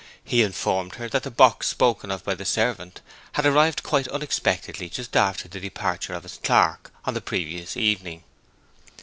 He informed her that the box spoken of by the servant had arrived quite unexpectedly just after the departure of his clerk on the previous evening.